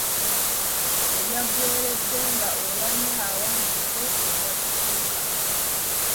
Gye byagweeredde nga Oulanyah awangudde obwa sipiika.